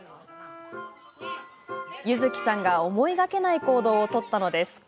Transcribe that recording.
柚希さんが思いがけない行動を取ったのです。